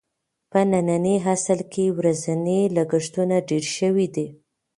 په ننني عصر کې ورځني لګښتونه ډېر شوي دي.